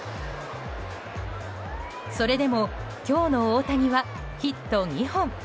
それでも、今日の大谷はヒット２本。